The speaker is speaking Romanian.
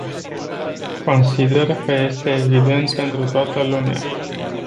Consider că este evident pentru toată lumea.